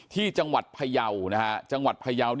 ที่จังหวัดพยาว